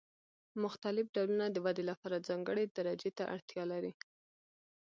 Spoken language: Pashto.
مختلف ډولونه د ودې لپاره ځانګړې درجې ته اړتیا لري.